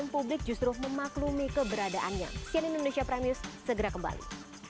publik justru memaklumi keberadaannya selain indonesia pramius segera kembali